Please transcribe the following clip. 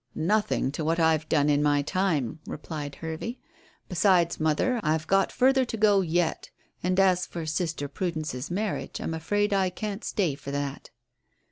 "Nothing to what I've done in my time," replied Hervey. "Besides, mother, I've got further to go yet. And as for sister Prudence's marriage, I'm afraid I can't stay for that."